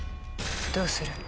どうする？